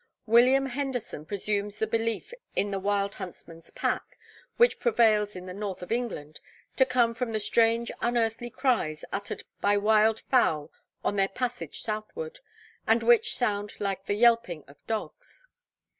William Henderson presumes the belief in the Wild Huntsman's pack, which prevails in the North of England, to come from the strange unearthly cries uttered by wild fowl on their passage southward, and which sound like the yelping of dogs.